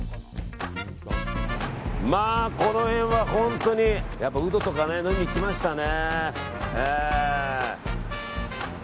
まあ、この辺は本当にウドとかね、飲みに行きましたね。